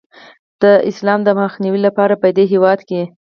د اسلام د مخنیوي لپاره پدې هیواد کې